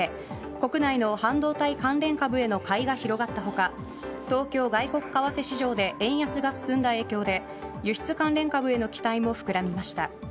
国内の半導体関連株への買いが広がった他東京外国為替市場で円安が進んだ影響で輸出関連株への期待も膨らみました。